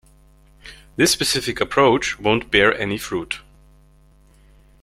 This specific approach won't bear any fruit.